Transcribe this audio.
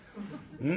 うん。